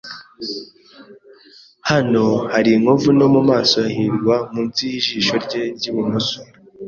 Hano hari inkovu nto mumaso ya hirwa munsi yijisho rye ryibumoso.